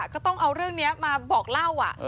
ก็ต้องเอาเรื่องนี้มาบอกเล่า